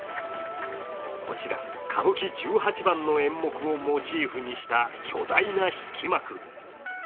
こちら、歌舞伎十八番の演目をモチーフにした巨大な引幕。